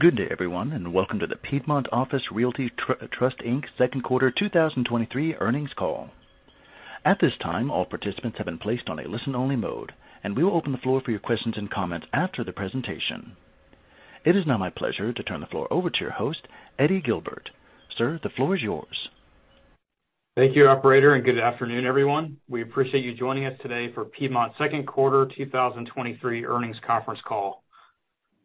Good day, everyone, and welcome to the Piedmont Office Realty Trust, Inc. 2nd Quarter 2023 earnings call. At this time, all participants have been placed on a listen-only mode, and we will open the floor for your questions and comments after the presentation. It is now my pleasure to turn the floor over to your host, Eddie Guilbert. Sir, the floor is yours. Thank you, operator, and good afternoon, everyone. We appreciate you joining us today for Piedmont's 2nd Quarter 2023 earnings conference call.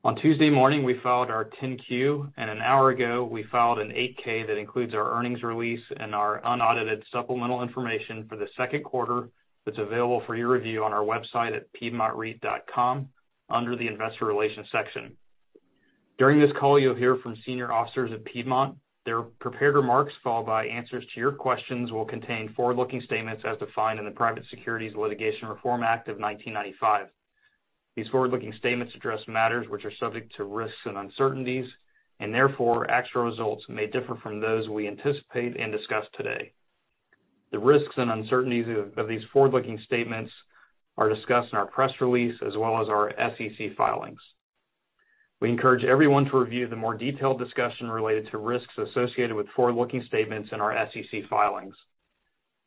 On Tuesday morning, we filed our 10-Q, and an hour ago, we filed an 8-K that includes our earnings release and our unaudited supplemental information for the 2nd Quarter that's available for your review on our website at piedmontreit.com under the Investor Relations section. During this call, you'll hear from senior officers of Piedmont. Their prepared remarks, followed by answers to your questions, will contain forward-looking statements as defined in the Private Securities Litigation Reform Act of 1995. These forward-looking statements address matters which are subject to risks and uncertainties, and therefore actual results may differ from those we anticipate and discuss today. The risks and uncertainties of these forward-looking statements are discussed in our press release as well as our SEC filings. We encourage everyone to review the more detailed discussion related to risks associated with forward-looking statements in our SEC filings.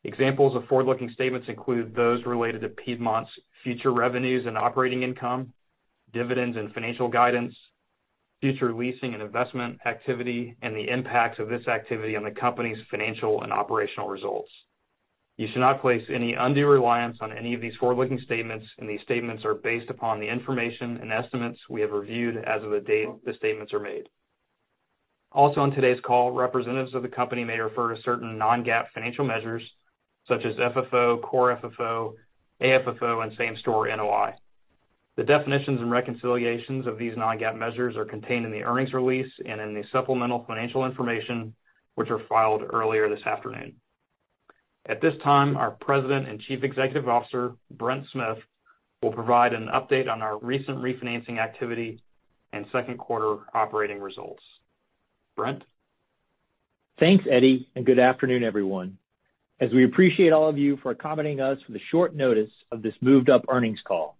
Examples of forward-looking statements include those related to Piedmont's future revenues and operating income, dividends and financial guidance, future leasing and investment activity, and the impacts of this activity on the company's financial and operational results. You should not place any undue reliance on any of these forward-looking statements. These statements are based upon the information and estimates we have reviewed as of the date the statements are made. Also on today's call, representatives of the company may refer to certain non-GAAP financial measures, such as FFO, core FFO, AFFO, and same-store NOI. The definitions and reconciliations of these non-GAAP measures are contained in the earnings release and in the supplemental financial information, which were filed earlier this afternoon. At this time, our President and Chief Executive Officer, Brent Smith, will provide an update on our recent refinancing activity and 2nd Quarter operating results. Brent? Thanks, Eddie, and good afternoon, everyone. As we appreciate all of you for accommodating us for the short notice of this moved up earnings call.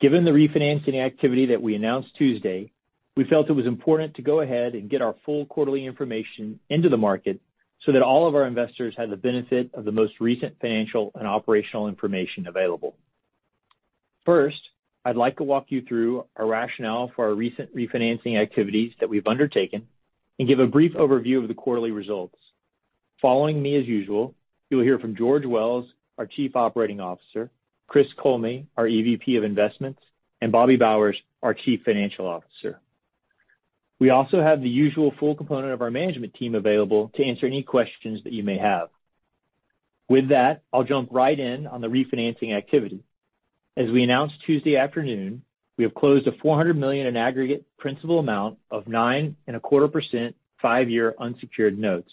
Given the refinancing activity that we announced Tuesday, we felt it was important to go ahead and get our full quarterly information into the market so that all of our investors had the benefit of the most recent financial and operational information available. First, I'd like to walk you through our rationale for our recent refinancing activities that we've undertaken and give a brief overview of the quarterly results. Following me, as usual, you'll hear from George Wells, our Chief Operating Officer, Chris Kollme, our EVP of Investments, and Bobby Bowers, our Chief Financial Officer. We also have the usual full component of our management team available to answer any questions that you may have. With that, I'll jump right in on the refinancing activity. As we announced Tuesday afternoon, we have closed a $400 million in aggregate principal amount of 9.25% five-year unsecured notes.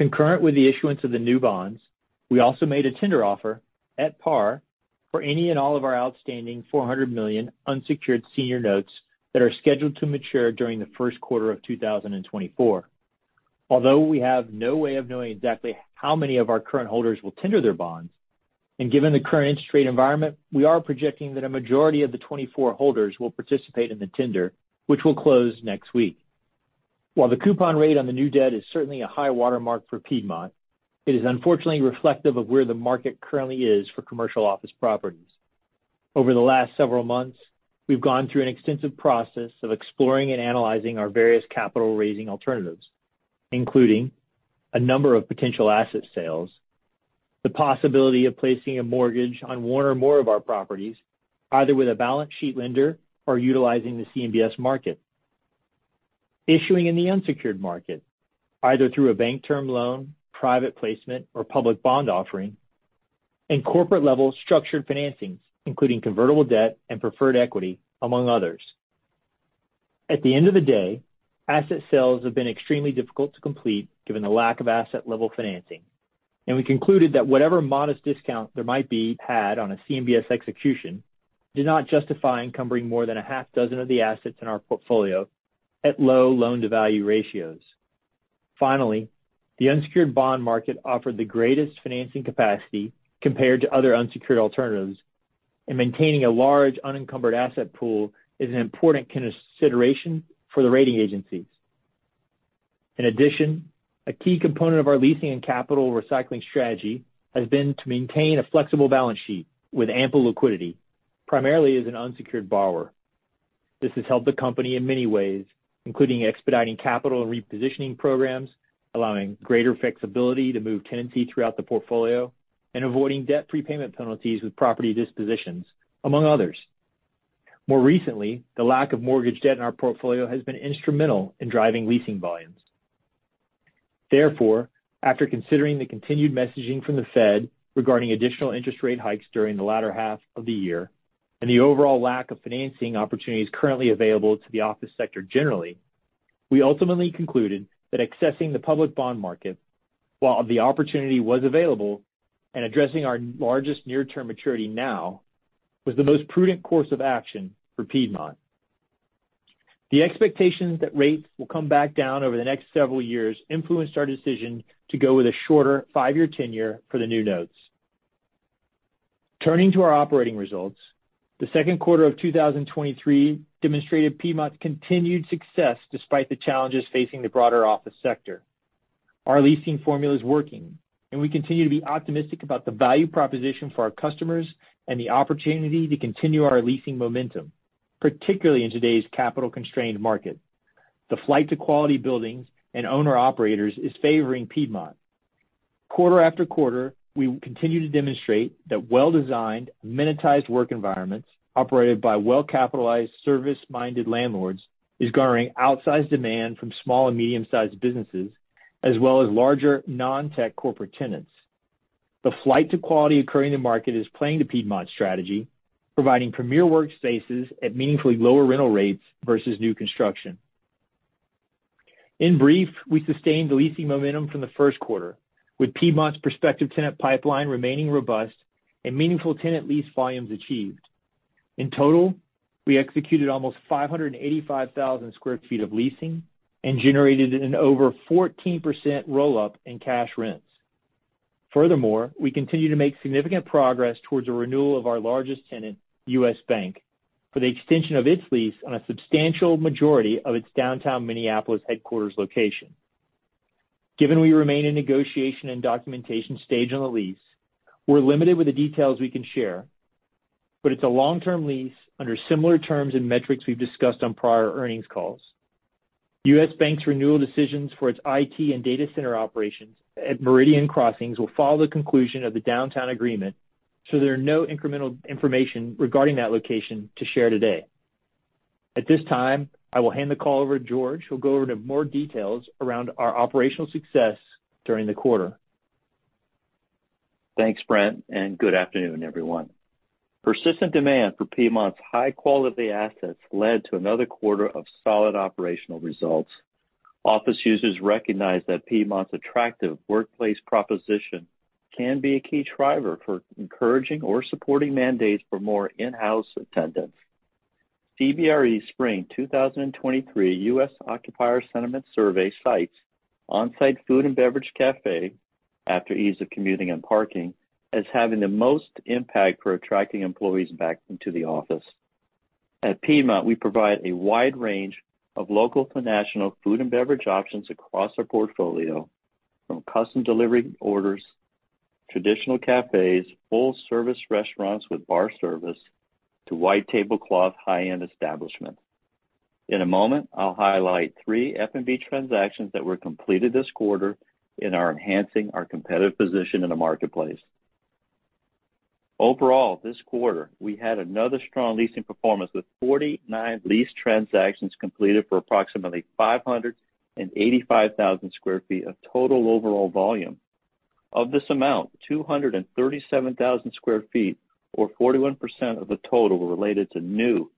Concurrent with the issuance of the new bonds, we also made a tender offer at par for any and all of our outstanding $400 million unsecured senior notes that are scheduled to mature during the 1st Quarter of 2024. Although we have no way of knowing exactly how many of our current holders will tender their bonds, and given the current interest rate environment, we are projecting that a majority of the 2024 holders will participate in the tender, which will close next week. While the coupon rate on the new debt is certainly a high watermark for Piedmont, it is unfortunately reflective of where the market currently is for commercial office properties. Over the last several months, we've gone through an extensive process of exploring and analyzing our various capital-raising alternatives, including a number of potential asset sales, the possibility of placing a mortgage on one or more of our properties, either with a balance sheet lender or utilizing the CMBS market. Issuing in the unsecured market, either through a bank term loan, private placement, or public bond offering, and corporate-level structured financings, including convertible debt and preferred equity, among others. At the end of the day, asset sales have been extremely difficult to complete given the lack of asset level financing, and we concluded that whatever modest discount there might be had on a CMBS execution did not justify encumbering more than a half dozen of the assets in our portfolio at low loan-to-value ratios. Finally, the unsecured bond market offered the greatest financing capacity compared to other unsecured alternatives, and maintaining a large unencumbered asset pool is an important consideration for the rating agencies. In addition, a key component of our leasing and capital recycling strategy has been to maintain a flexible balance sheet with ample liquidity, primarily as an unsecured borrower. This has helped the company in many ways, including expediting capital and repositioning programs, allowing greater flexibility to move tenancy throughout the portfolio, and avoiding debt prepayment penalties with property dispositions, among others. More recently, the lack of mortgage debt in our portfolio has been instrumental in driving leasing volumes. After considering the continued messaging from the Fed regarding additional interest rate hikes during the latter half of the year and the overall lack of financing opportunities currently available to the office sector generally, we ultimately concluded that accessing the public bond market while the opportunity was available and addressing our largest near-term maturity now, was the most prudent course of action for Piedmont. The expectations that rates will come back down over the next several years influenced our decision to go with a shorter 5-year tenure for the new notes. Turning to our operating results, the 2nd Quarter of 2023 demonstrated Piedmont's continued success despite the challenges facing the broader office sector. Our leasing formula is working, and we continue to be optimistic about the value proposition for our customers and the opportunity to continue our leasing momentum, particularly in today's capital constrained market. The flight to quality buildings and owner operators is favoring Piedmont. Quarter after quarter, we continue to demonstrate that well-designed, amenitized work environments operated by well-capitalized, service-minded landlords, is garnering outsized demand from small and medium-sized businesses, as well as larger non-tech corporate tenants. The flight to quality occurring in the market is playing to Piedmont's strategy, providing premier workspaces at meaningfully lower rental rates versus new construction. In brief, we sustained the leasing momentum from the 1st Quarter, with Piedmont's prospective tenant pipeline remaining robust and meaningful tenant lease volumes achieved. In total, we executed almost 585,000 sq ft of leasing and generated an over 14% roll-up in cash rents. Furthermore, we continue to make significant progress towards the renewal of our largest tenant, U.S. Bancorp, for the extension of its lease on a substantial majority of its downtown Minneapolis headquarters location. Given we remain in negotiation and documentation stage on the lease, we're limited with the details we can share, but it's a long-term lease under similar terms and metrics we've discussed on prior earnings calls. U.S. Bancorp's renewal decisions for its IT and data center operations at Meridian Crossings will follow the conclusion of the downtown agreement, so there are no incremental information regarding that location to share today. At this time, I will hand the call over to George, who'll go over to more details around our operational success during the quarter. Thanks, Brent, and good afternoon, everyone. Persistent demand for Piedmont's high quality assets led to another quarter of solid operational results. Office users recognize that Piedmont's attractive workplace proposition can be a key driver for encouraging or supporting mandates for more in-house attendance. CBRE Spring 2023 U.S. Occupier Sentiment Survey cites on-site food and beverage cafe, after ease of commuting and parking, as having the most impact for attracting employees back into the office. At Piedmont, we provide a wide range of local to national food and beverage options across our portfolio, from custom delivery orders, traditional cafes, full service restaurants with bar service, to white tablecloth, high-end establishments. In a moment, I'll highlight three F&B transactions that were completed this quarter and are enhancing our competitive position in the marketplace. Overall, this quarter, we had another strong leasing performance with 49 lease transactions completed for approximately 585,000 sq ft of total overall volume. Of this amount, 237,000 sq ft, or 41% of the total, were related to new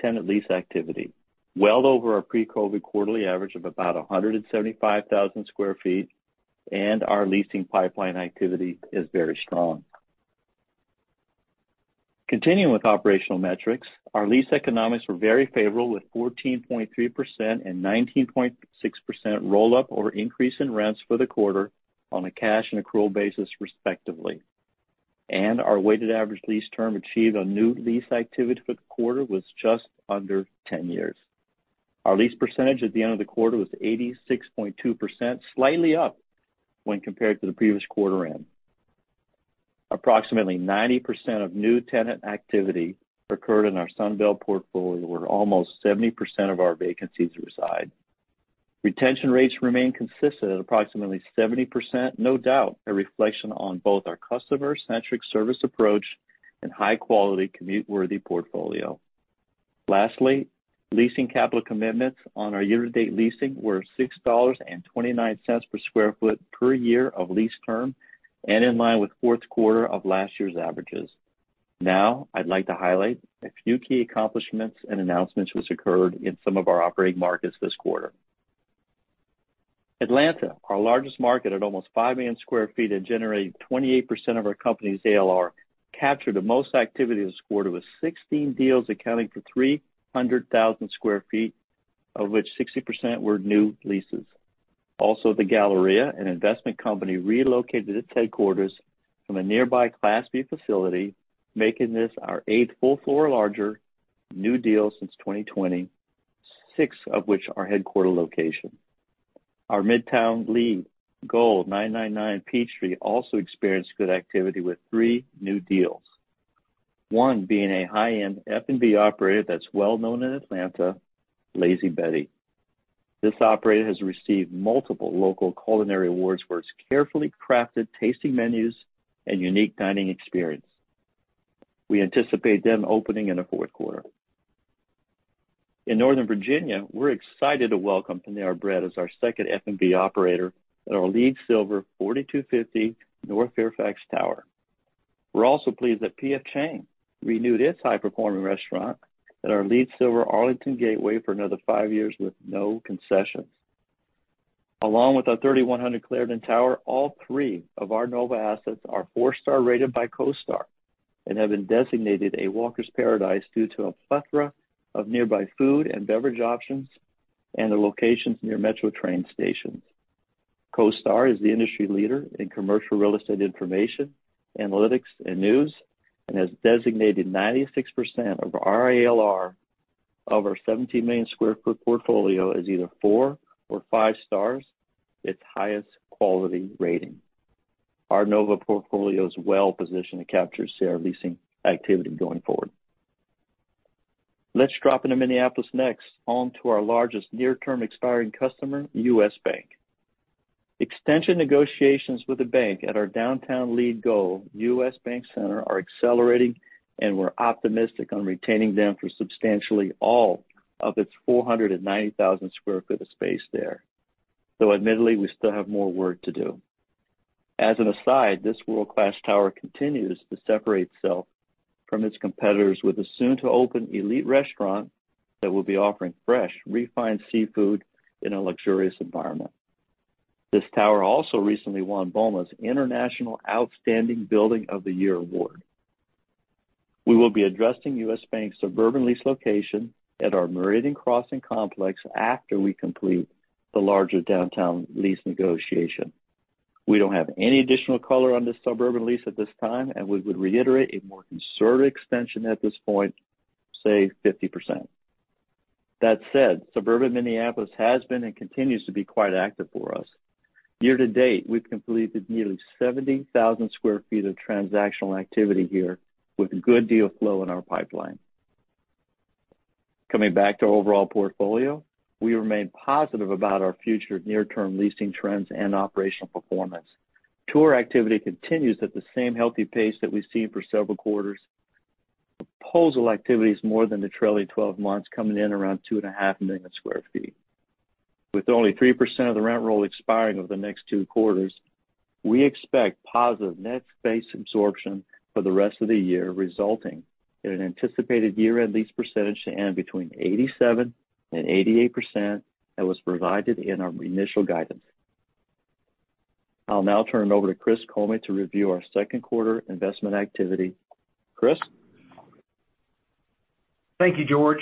tenant lease activity, well over our pre-COVID quarterly average of about 175,000 sq ft. Our leasing pipeline activity is very strong. Continuing with operational metrics, our lease economics were very favorable, with 14.3% and 19.6% roll up or increase in rents for the quarter on a cash and accrual basis, respectively. Our weighted average lease term achieved on new lease activity for the quarter was just under 10 years. Our lease percentage at the end of the quarter was 86.2%, slightly up when compared to the previous quarter end. Approximately 90% of new tenant activity occurred in our Sunbelt portfolio, where almost 70% of our vacancies reside. Retention rates remain consistent at approximately 70%, no doubt a reflection on both our customer-centric service approach and high quality, commute-worthy portfolio. Lastly, leasing capital commitments on our year-to-date leasing were $6.29 per sq ft per year of lease term and in line with fourth quarter of last year's averages. Now, I'd like to highlight a few key accomplishments and announcements which occurred in some of our operating markets this quarter. Atlanta, our largest market, at almost 5 million sq ft and generating 28% of our company's ALR, captured the most activity this quarter, with 16 deals accounting for 300,000 sq ft, of which 60% were new leases. The Galleria, an investment company, relocated its headquarters from a nearby Class B facility, making this our 8th full floor larger new deal since 2020, 6 of which are headquarter location. Our Midtown LEED Gold 999 Peachtree also experienced good activity with 3 new deals, one being a high-end F&B operator that's well known in Atlanta, Lazy Betty. This operator has received multiple local culinary awards for its carefully crafted tasting menus and unique dining experience. We anticipate them opening in the fourth quarter. In Northern Virginia, we're excited to welcome Panera Bread as our second F&B operator at our LEED Silver 4250 North Fairfax Drive Tower. We're also pleased that P.F. Chang's renewed its high performing restaurant at our LEED Silver Arlington Gateway for another 5 years with no concessions. Along with our 3100 Clarendon Tower, all 3 of our NoVa assets are 4-star rated by CoStar and have been designated a walker's paradise due to a plethora of nearby food and beverage options and their locations near Metro train stations. CoStar is the industry leader in commercial real estate information, analytics, and news, and has designated 96% of our ALR of our 70 million sq ft portfolio as either 4 or 5 stars, its highest quality rating. Our NoVa portfolio is well positioned to capture CR leasing activity going forward. Let's drop into Minneapolis next, home to our largest near-term expiring customer, U.S. Bank. Extension negotiations with the bank at our downtown lead goal, U.S. Bank Center, are accelerating, and we're optimistic on retaining them for substantially all of its 490,000 sq ft of space there, though admittedly, we still have more work to do. As an aside, this world-class tower continues to separate itself from its competitors, with a soon-to-open elite restaurant that will be offering fresh, refined seafood in a luxurious environment. This tower also recently won BOMA's International Outstanding Building of the Year award. We will be addressing U.S. Bank's suburban lease location at our Meridian Crossing complex after we complete the larger downtown lease negotiation. We don't have any additional color on this suburban lease at this time, and we would reiterate a more conservative extension at this point, say, 50%. That said, suburban Minneapolis has been and continues to be quite active for us. Year to date, we've completed nearly 70,000 sq ft of transactional activity here, with a good deal of flow in our pipeline. Coming back to our overall portfolio, we remain positive about our future near-term leasing trends and operational performance. Tour activity continues at the same healthy pace that we've seen for several quarters. Proposal activity is more than the trailing 12 months, coming in around $2.5 million sq ft. With only 3% of the rent roll expiring over the next two quarters, we expect positive net space absorption for the rest of the year, resulting in an anticipated year-end lease percentage to end between 87%-88% that was provided in our initial guidance. I'll now turn it over to Chris Kollme to review our 2nd Quarter investment activity. Chris? Thank you, George.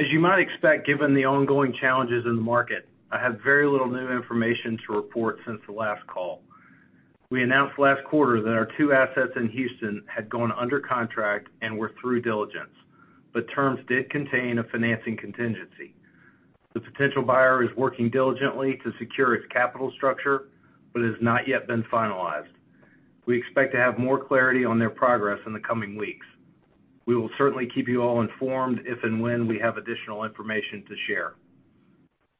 As you might expect, given the ongoing challenges in the market, I have very little new information to report since the last call. We announced last quarter that our two assets in Houston had gone under contract and were through diligence, but terms did contain a financing contingency. The potential buyer is working diligently to secure its capital structure, but it has not yet been finalized. We expect to have more clarity on their progress in the coming weeks. We will certainly keep you all informed if and when we have additional information to share.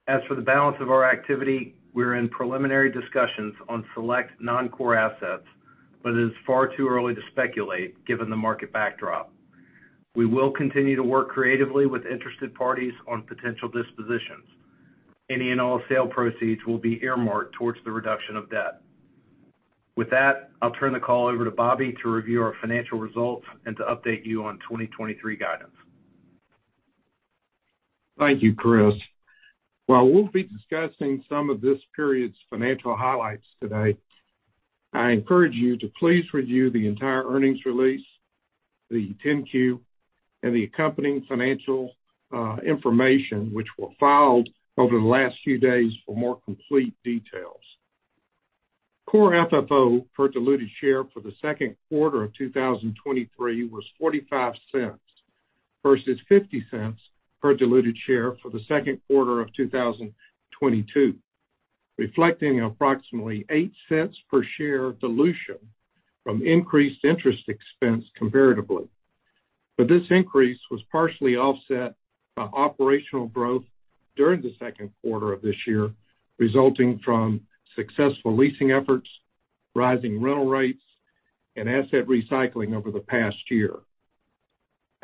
As for the balance of our activity, we're in preliminary discussions on select non-core assets, but it is far too early to speculate, given the market backdrop. We will continue to work creatively with interested parties on potential dispositions. Any and all sale proceeds will be earmarked towards the reduction of debt. With that, I'll turn the call over to Bobby to review our financial results and to update you on 2023 guidance. Thank you, Chris. While we'll be discussing some of this period's financial highlights today, I encourage you to please review the entire earnings release, the 10-Q, and the accompanying financial information, which were filed over the last few days for more complete details. core FFO per diluted share for the 2nd Quarter of 2023 was $0.45, versus $0.50 per diluted share for the 2nd Quarter of 2022, reflecting approximately $0.08 per share dilution from increased interest expense comparatively. This increase was partially offset by operational growth during the 2nd Quarter of this year, resulting from successful leasing efforts, rising rental rates, and asset recycling over the past year.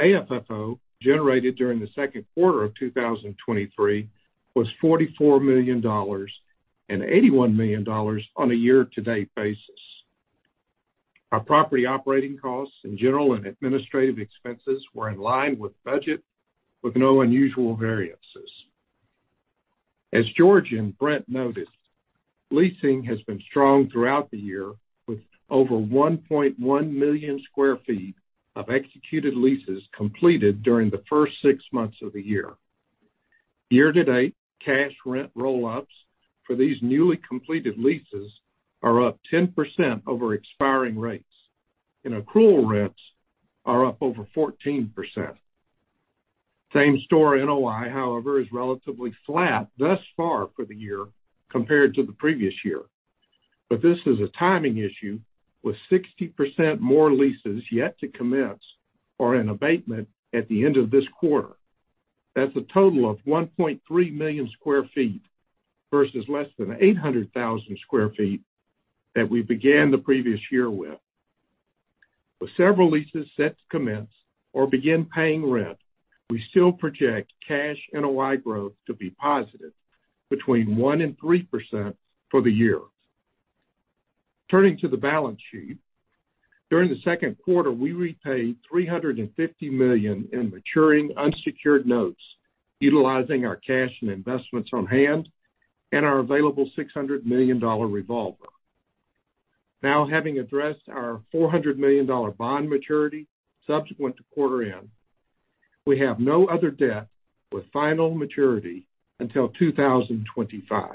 AFFO, generated during the 2nd Quarter of 2023, was $44 million and $81 million on a year-to-date basis. Our property operating costs and general and administrative expenses were in line with budget, with no unusual variances. As George and Brent noted, leasing has been strong throughout the year, with over 1.1 million sq ft of executed leases completed during the 1st 6 months of the year. Year to date, cash rent roll-ups for these newly completed leases are up 10% over expiring rates, and accrual rents are up over 14%. same-store NOI, however, is relatively flat thus far for the year compared to the previous year. This is a timing issue, with 60% more leases yet to commence or in abatement at the end of this quarter. That's a total of 1.3 million sq ft versus less than 800,000 sq ft that we began the previous year with. With several leases set to commence or begin paying rent, we still project cash NOI growth to be positive, between 1% and 3% for the year. Turning to the balance sheet, during the 2nd Quarter, we repaid $350 million in maturing unsecured notes, utilizing our cash and investments on hand and our available $600 million revolver. Having addressed our $400 million bond maturity subsequent to quarter end, we have no other debt with final maturity until 2025.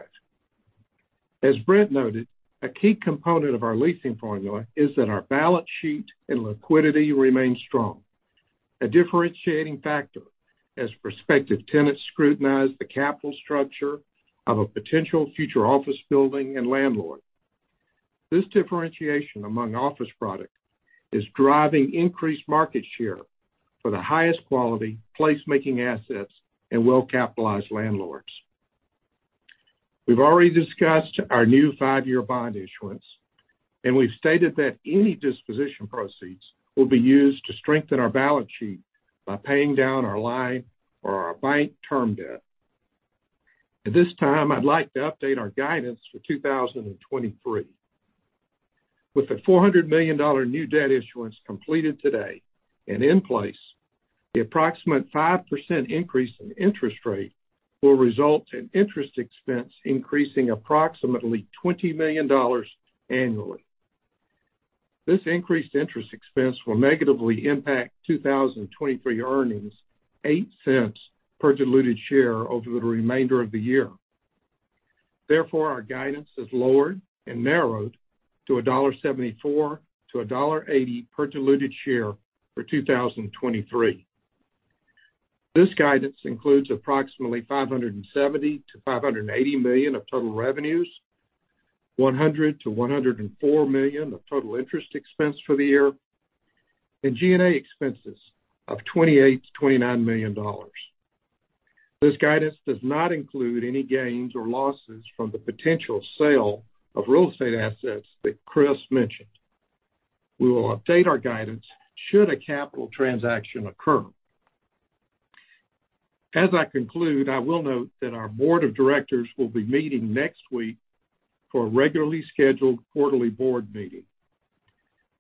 As Brent noted, a key component of our leasing formula is that our balance sheet and liquidity remain strong, a differentiating factor as prospective tenants scrutinize the capital structure of a potential future office building and landlord. This differentiation among office products is driving increased market share for the highest quality place making assets and well-capitalized landlords. We've already discussed our new five-year bond issuance. We've stated that any disposition proceeds will be used to strengthen our balance sheet by paying down our line or our bank term debt. At this time, I'd like to update our guidance for 2023. With the $400 million new debt issuance completed today and in place, the approximate 5% increase in interest rate will result in interest expense increasing approximately $20 million annually. This increased interest expense will negatively impact 2023 earnings, $0.08 per diluted share over the remainder of the year. Therefore, our guidance is lowered and narrowed to $1.74-$1.80 per diluted share for 2023. This guidance includes approximately $570 million-$580 million of total revenues, $100 million-$104 million of total interest expense for the year, and G&A expenses of $28 million-$29 million. This guidance does not include any gains or losses from the potential sale of real estate assets that Chris mentioned. We will update our guidance should a capital transaction occur. As I conclude, I will note that our board of directors will be meeting next week for a regularly scheduled quarterly board meeting.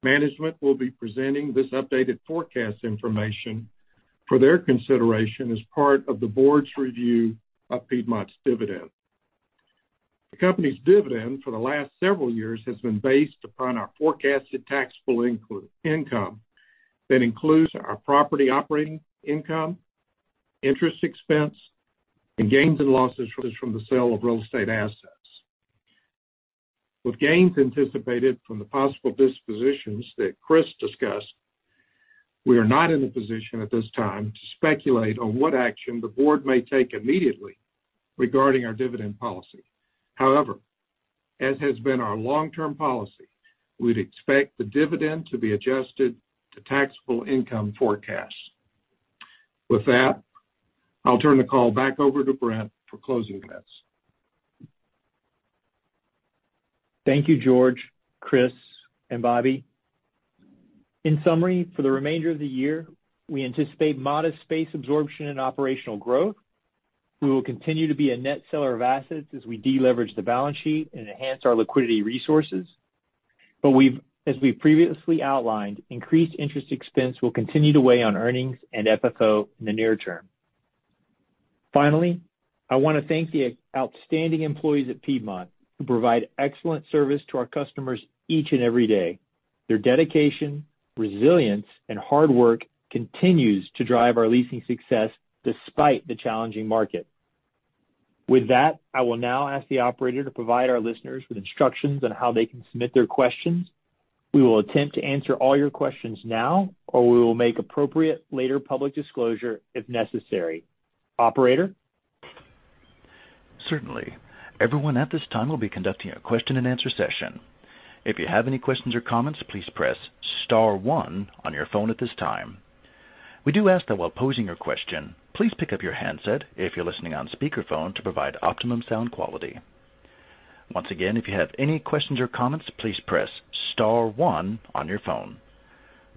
Management will be presenting this updated forecast information for their consideration as part of the board's review of Piedmont's dividend. The company's dividend for the last several years has been based upon our forecasted taxable income, that includes our property operating income, interest expense, and gains and losses from the sale of real estate assets. With gains anticipated from the possible dispositions that Chris discussed, we are not in a position at this time to speculate on what action the board may take immediately regarding our dividend policy. However, as has been our long-term policy, we'd expect the dividend to be adjusted to taxable income forecasts. With that, I'll turn the call back over to Brent for closing comments. Thank you, George, Chris, and Bobby. In summary, for the remainder of the year, we anticipate modest space absorption and operational growth. We will continue to be a net seller of assets as we deleverage the balance sheet and enhance our liquidity resources. As we previously outlined, increased interest expense will continue to weigh on earnings and FFO in the near term. Finally, I want to thank the outstanding employees at Piedmont, who provide excellent service to our customers each and every day. Their dedication, resilience, and hard work continues to drive our leasing success despite the challenging market. With that, I will now ask the Operator to provide our listeners with instructions on how they can submit their questions. We will attempt to answer all your questions now, or we will make appropriate later public disclosure if necessary. Operator? Certainly. Everyone at this time, we'll be conducting a question-and-answer session. If you have any questions or comments, please press star one on your phone at this time. We do ask that while posing your question, please pick up your handset if you're listening on speakerphone to provide optimum sound quality. Once again, if you have any questions or comments, please press star one on your phone.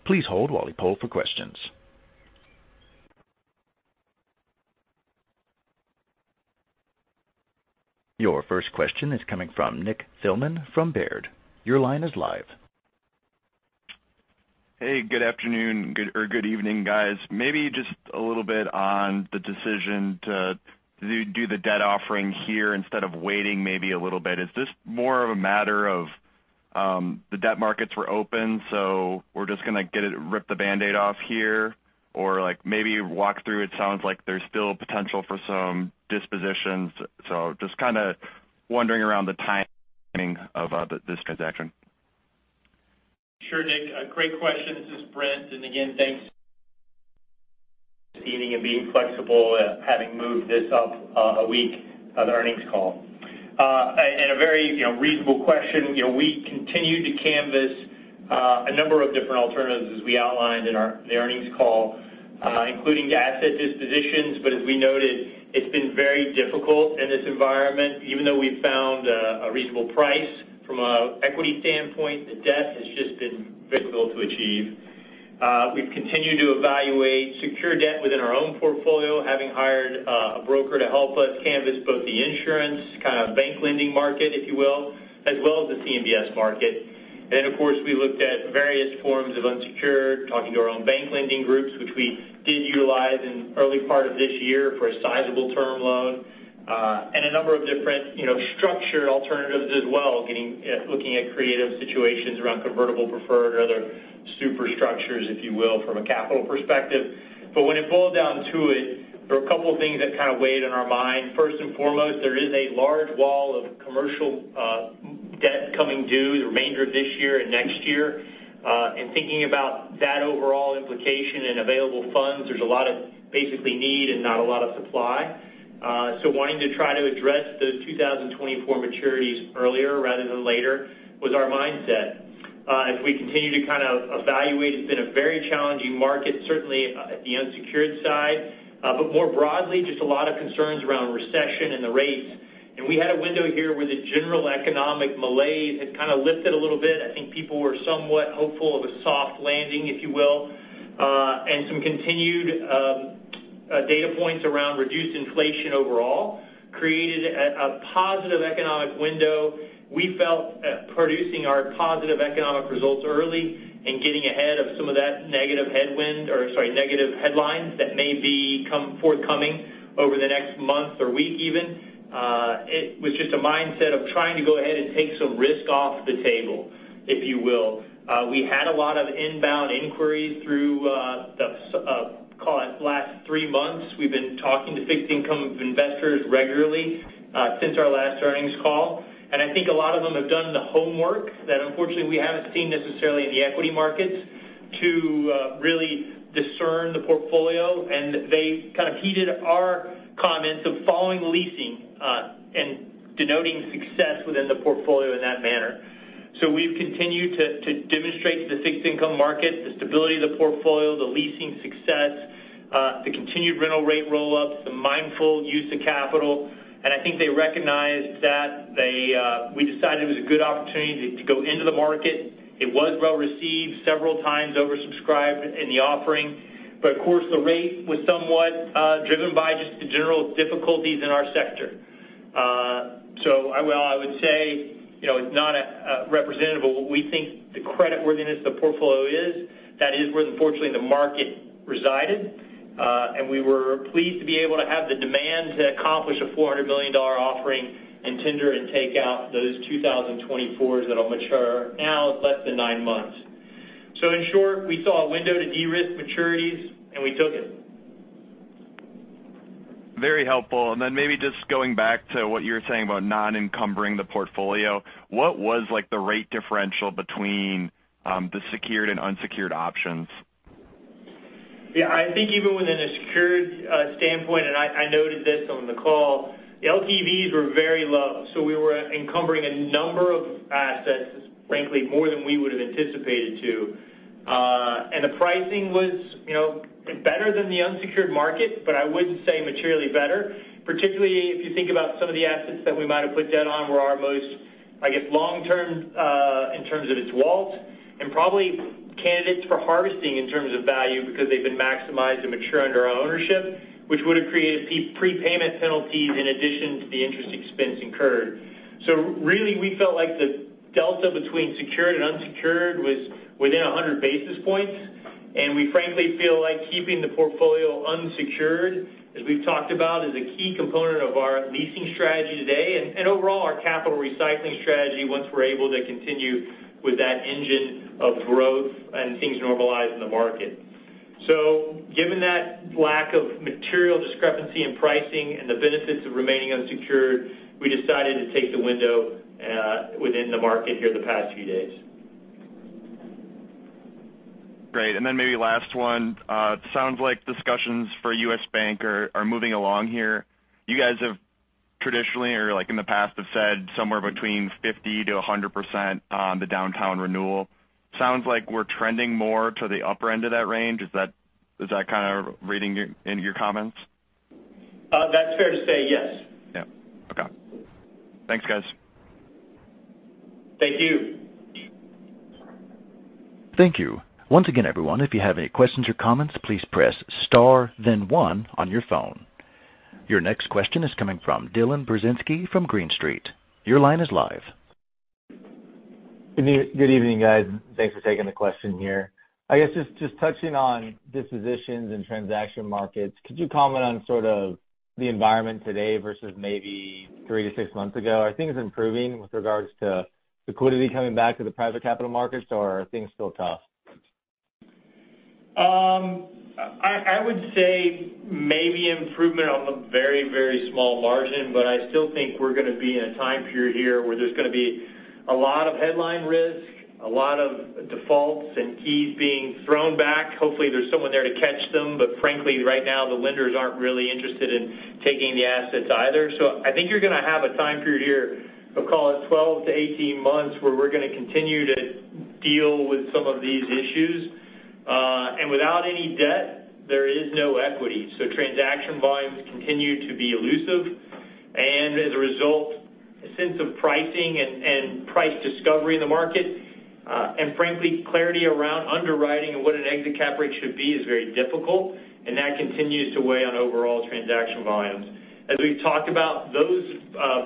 Please hold while we poll for questions. Your first question is coming from Nick Thillman from Baird. Your line is live. Good afternoon or good evening, guys. Just a little bit on the decision to do the debt offering here instead of waiting maybe a little bit. Is this more of a matter of the debt markets were open, so we're just gonna get it, rip the Band-Aid off here? Like, maybe walk through. It sounds like there's still potential for some dispositions. Just kind of wondering around the timing of this transaction. Sure, Nick, a great question. This is Brent, again, thanks this evening and being flexible, having moved this up a week of the earnings call. A very, you know, reasonable question. You know, we continue to canvas a number of different alternatives, as we outlined in the earnings call, including asset dispositions. As we noted, it's been very difficult in this environment. Even though we've found a reasonable price from a equity standpoint, the debt has just been difficult to achieve. We've continued to evaluate secure debt within our own portfolio, having hired a broker to help us canvas both the insurance kind of bank lending market, if you will, as well as the CMBS market. Of course, we looked at various forms of unsecured, talking to our own bank lending groups, which we did utilize in early part of this year for a sizable term loan, and a number of different, you know, structured alternatives as well, looking at creative situations around convertible preferred or other super structures, if you will, from a capital perspective. When it boiled down to it, there were a couple of things that kind of weighed on our mind. First and foremost, there is a large wall of commercial debt coming due the remainder of this year and next year. Thinking about that overall implication and available funds, there's a lot of, basically, need and not a lot of supply. Wanting to try to address those 2024 maturities earlier rather than later was our mindset. As we continue to kind of evaluate, it's been a very challenging market, certainly, at the unsecured side, but more broadly, just a lot of concerns around recession and the rates. We had a window here where the general economic malaise had kind of lifted a little bit. I think people were somewhat hopeful of a soft landing, if you will, and some continued data points around reduced inflation overall, created a positive economic window. We felt producing our positive economic results early and getting ahead of some of that negative headwind, or sorry, negative headlines, that may be forthcoming over the next month or week even, it was just a mindset of trying to go ahead and take some risk off the table, if you will. We had a lot of inbound inquiries through, call it last three months. We've been talking to fixed income investors regularly since our last earnings call. I think a lot of them have done the homework that unfortunately we haven't seen necessarily in the equity markets, to really discern the portfolio, and they kind of heeded our comments of following leasing and denoting success within the portfolio in that manner. We've continued to demonstrate to the fixed income market, the stability of the portfolio, the leasing success, the continued rental rate roll-ups, the mindful use of capital, and I think they recognized that. We decided it was a good opportunity to go into the market. It was well-received, several times oversubscribed in the offering, but of course, the rate was somewhat driven by just the general difficulties in our sector. I would say, you know, it's not a representative of what we think the creditworthiness of the portfolio is. That is where, unfortunately, the market resided. We were pleased to be able to have the demand to accomplish a $400 million offering in tender and take out those 2024 that'll mature now in less than nine months. In short, we saw a window to de-risk maturities, and we took it. Very helpful. Then maybe just going back to what you were saying about non-encumbering the portfolio. What was, like, the rate differential between the secured and unsecured options? I think even within a secured standpoint, and I noted this on the call, LTVs were very low. We were encumbering a number of assets, frankly, more than we would have anticipated to. The pricing was, you know, better than the unsecured market. I wouldn't say materially better. Particularly, if you think about some of the assets that we might have put debt on were our most, I guess, long-term, in terms of its walls, and probably candidates for harvesting in terms of value, because they've been maximized and mature under our ownership, which would have created prepayment penalties in addition to the interest expense incurred. Really, we felt like the delta between secured and unsecured was within 100 basis points, and we frankly feel like keeping the portfolio unsecured, as we've talked about, is a key component of our leasing strategy today and overall, our capital recycling strategy once we're able to continue with that engine of growth and things normalize in the market. Given that lack of material discrepancy in pricing and the benefits of remaining unsecured, we decided to take the window within the market here the past few days. Great. Maybe last one. It sounds like discussions for U.S. Bancorp are moving along here. You guys have traditionally, or like in the past, have said somewhere between 50%-100% on the downtown renewal. Sounds like we're trending more to the upper end of that range. Is that kind of reading into your comments? That's fair to say, yes. Yeah. Okay. Thanks, guys. Thank you. Thank you. Once again, everyone, if you have any questions or comments, please press star, then one on your phone. Your next question is coming from Dylan Burzinski from Green Street. Your line is live. Good evening, guys. Thanks for taking the question here. I guess just touching on dispositions and transaction markets, could you comment on sort of the environment today versus maybe 3-6 months ago? Are things improving with regards to liquidity coming back to the private capital markets, or are things still tough? I would say maybe improvement on a very, very small margin, but I still think we're gonna be in a time period here where there's gonna be a lot of headline risk, a lot of defaults and keys being thrown back. Hopefully, there's someone there to catch them. Frankly, right now, the lenders aren't really interested in taking the assets either. I think you're gonna have a time period here, we'll call it 12-18 months, where we're gonna continue to deal with some of these issues. Without any debt, there is no equity, so transaction volumes continue to be elusive. As a result, a sense of pricing and price discovery in the market... Frankly, clarity around underwriting and what an exit cap rate should be is very difficult, and that continues to weigh on overall transaction volumes. As we've talked about, those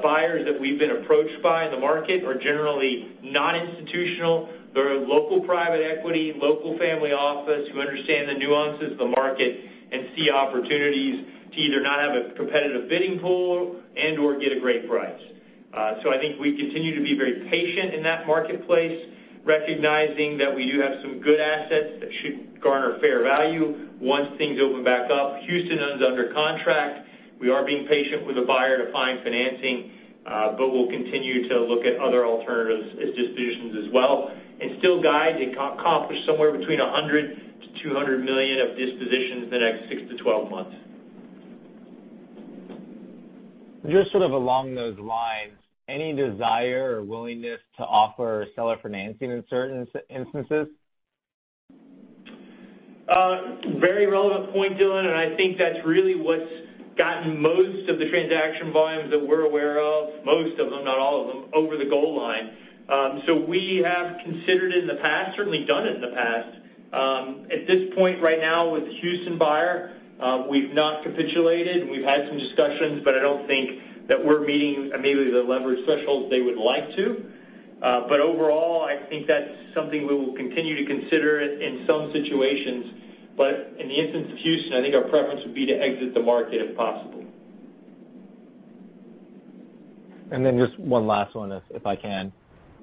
buyers that we've been approached by in the market are generally non-institutional. They're local private equity, local family office, who understand the nuances of the market and see opportunities to either not have a competitive bidding pool and/or get a great price. I think we continue to be very patient in that marketplace, recognizing that we do have some good assets that should garner fair value once things open back up. Houston is under contract. We are being patient with a buyer to find financing, but we'll continue to look at other alternatives as dispositions as well, and still guide and co- accomplish somewhere between $100 million-$200 million of dispositions in the next 6-12 months. Just sort of along those lines, any desire or willingness to offer seller financing in certain instances? Very relevant point, Dylan. I think that's really what's gotten most of the transaction volumes that we're aware of, most of them, not all of them, over the goal line. We have considered in the past, certainly done it in the past. At this point, right now, with the Houston buyer, we've not capitulated, and we've had some discussions, but I don't think that we're meeting immediately the leverage thresholds they would like to. Overall, I think that's something we will continue to consider in some situations, but in the instance of Houston, I think our preference would be to exit the market, if possible. Just one last one, if I can.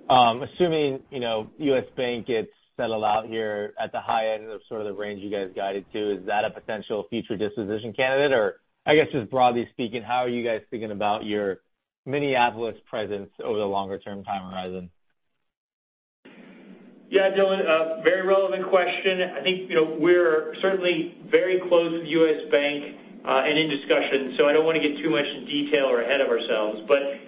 Assuming, you know, U.S. Bancorp gets settled out here at the high end of sort of the range you guys guided to, is that a potential future disposition candidate? Or, I guess, just broadly speaking, how are you guys thinking about your Minneapolis presence over the longer-term time horizon? Dylan, a very relevant question. I think, you know, we're certainly very close with U.S. Bancorp, and in discussions, so I don't want to get too much in detail or ahead of ourselves.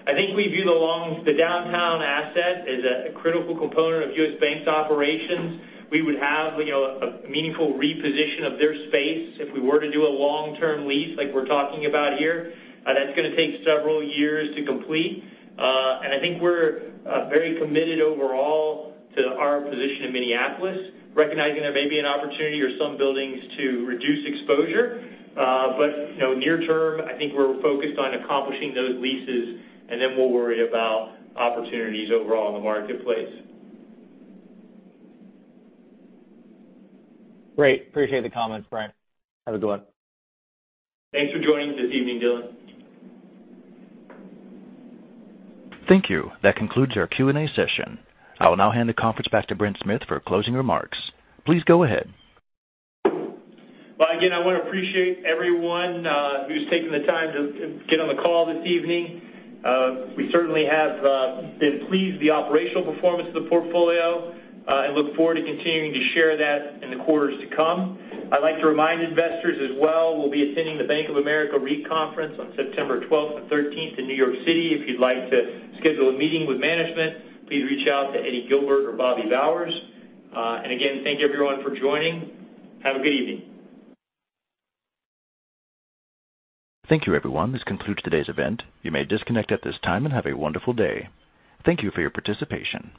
I think we view the downtown asset as a critical component of U.S. Bancorp's operations. We would have, you know, a meaningful reposition of their space if we were to do a long-term lease, like we're talking about here. That's gonna take several years to complete. I think we're very committed overall to our position in Minneapolis, recognizing there may be an opportunity or some buildings to reduce exposure. You know, near term, I think we're focused on accomplishing those leases, and then we'll worry about opportunities overall in the marketplace. Great. Appreciate the comments, Brent. Have a good one. Thanks for joining this evening, Dylan. Thank you. That concludes our Q&A session. I will now hand the conference back to Brent Smith for closing remarks. Please go ahead. Again, I want to appreciate everyone who's taken the time to get on the call this evening. We certainly have been pleased with the operational performance of the portfolio and look forward to continuing to share that in the quarters to come. I'd like to remind investors as well, we'll be attending the Bank of America REIT Conference on September 12th-13th in New York City. If you'd like to schedule a meeting with management, please reach out to Eddie Guilbert or Bobby Bowers. Again, thank you everyone for joining. Have a good evening. Thank you, everyone. This concludes today's event. You may disconnect at this time and have a wonderful day. Thank you for your participation.